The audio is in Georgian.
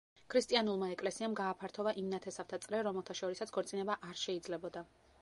ქრისტიანულმა ეკლესიამ გააფართოვა იმ ნათესავთა წრე, რომელთა შორისაც ქორწინება არ შეიძლებოდა.